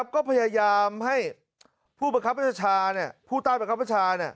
ก็พยายามให้ผู้บังคับประชาผู้ใต้ประคับประชา